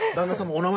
お名前